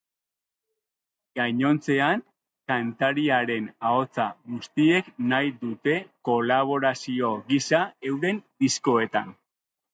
Gainontzean, kantariaren ahotsa guztiek nahi dute kolaborazio gisa euren diskoetan.